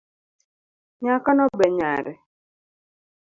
Nyakono be nyare